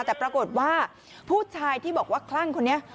แต่ปรากฏว่าผู้ชายที่บอกว่าคลั่งคนนี้